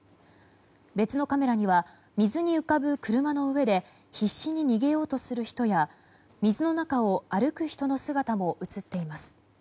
別のカメラには水に浮かぶ車の上で必死に逃げようとする人や水の中を歩く人の姿も映っています。